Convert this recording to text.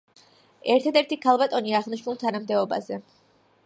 ერთადერთი ქალბატონი აღნიშნულ თანამდებობაზე.